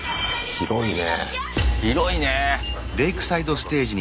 広いね。